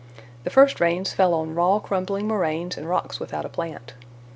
The first rains fell on raw, crumbling moraines and rocks without a plant.